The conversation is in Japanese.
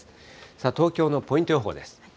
さあ、東京のポイント予報です。